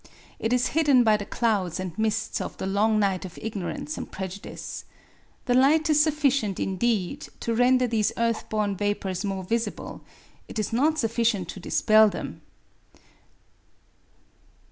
It is hidden by the clouds and mists of the long night of ignorance and prejudice. The light is sufficient, indeed, to render these earth born vapours more visible: it is not sufficient to dispel them.